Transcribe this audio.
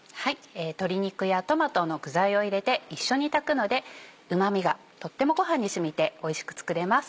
鶏肉やトマトの具材を入れて一緒に炊くのでうまみがとってもごはんに染みておいしく作れます。